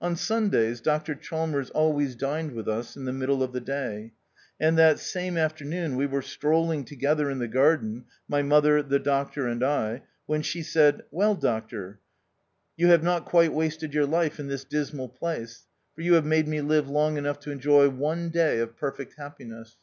On Sundays, Dr Chalmers always dined with us in the middle of the day ; and that same afternoon we were strolling together in the garden — my mother, the doctor and I — when she said, " Well, doctor, you have 62 THE OUTCAST. not quite wasted your life in this dismal place ; for you have made me live long enough to enjoy one day of perfect happi ness."